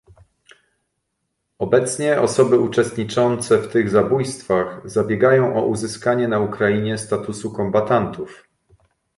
Obecnie osoby uczestniczące w tych zabójstwach zabiegają o uzyskanie na Ukrainie statusu kombatantów